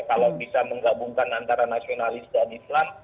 kalau bisa menggabungkan antara nasionalis dan islam